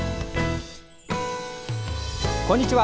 こんにちは。